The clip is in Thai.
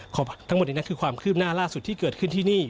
ขอบคุณทั้งหมดนี้นั่นคือความคลิบหน้าล่าสุดที่เกิดขึ้นที่นี่